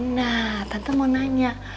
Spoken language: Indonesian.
nah tante mau nanya